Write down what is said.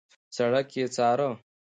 سړک يې څاره.